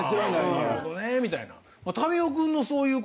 「なるほどねぇ」みたいな。